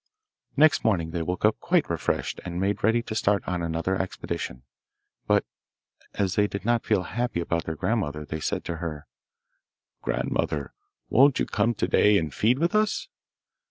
Next morning they woke up quite refreshed, and made ready to start on another expedition; but as they did not feel happy about their grandmother they said to her, 'Grandmother, won't you come to day and feed with us?